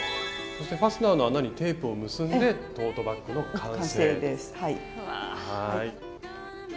そしてファスナーの穴にテープを結んでトートバッグの完成です。